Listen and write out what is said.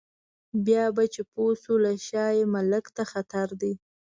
بیا به چې پوه شو له شا یې مالک ته خطر دی.